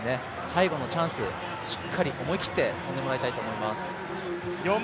最後のチャンス、しっかり思い切って跳んでもらいたいと思います